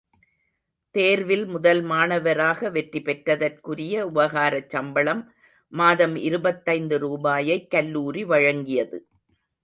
தேர்வில் முதல் மாணவராக வெற்றி பெற்றதற்குரிய உபகாரச் சம்பளம் மாதம் இருபத்தைந்து ரூபாயைக் கல்லூரி வழங்கியது.